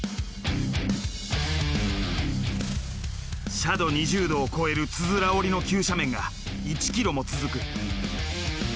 斜度２０度を超えるつづら折りの急斜面が１ｋｍも続く。